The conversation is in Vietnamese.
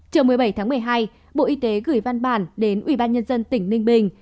trong một mươi bảy tháng một mươi hai bộ y tế gửi văn bản đến ubnd tỉnh ninh bình